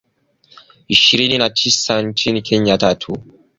ishirini na tisa nchini Kenya tatu